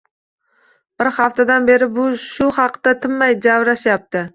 Bir haftadan beri shu haqda tinmay javrashyapti